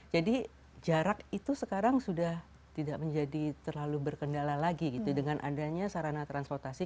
jadi jarak itu sekarang sudah tidak menjadi terlalu berkendala lagi gitu dengan adanya sarana transportasi